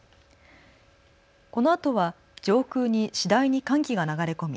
このあとは上空に次第に寒気が流れ込み